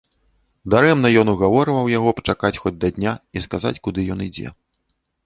Дарэмна ён угаворваў яго пачакаць хоць да дня і сказаць, куды ён ідзе.